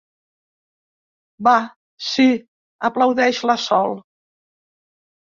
Va, sí —aplaudeix la Sol.